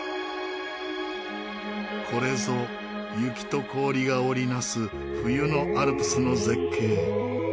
これぞ雪と氷が織り成す冬のアルプスの絶景。